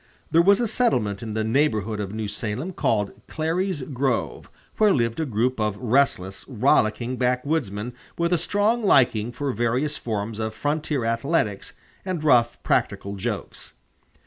There was a settlement in the neighborhood of New Salem called Clary's Grove, where lived a group of restless, rollicking backwoodsmen with a strong liking for various forms of frontier athletics and rough practical jokes.